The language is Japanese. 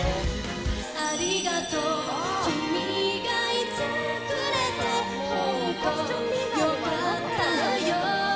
「ありがとう君がいてくれて本当よかったよ」